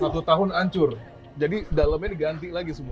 satu tahun hancur jadi dalamnya diganti lagi semua